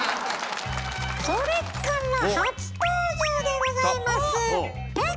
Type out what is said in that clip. それから初登場でございます！